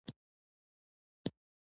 ننګرهار کې بیا...